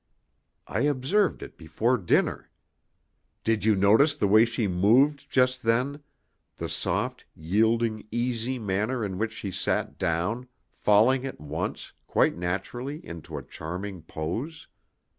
I observed it before dinner. Did you notice the way she moved just then the soft, yielding, easy manner in which she sat down, falling at once, quite naturally, into a charming pose?